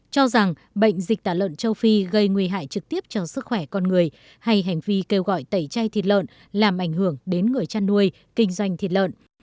cho rằng bệnh dịch tả lợn châu phi gây nguy hại trực tiếp cho sức khỏe con người hay hành vi kêu gọi tẩy chay thịt lợn làm ảnh hưởng đến người chăn nuôi kinh doanh thịt lợn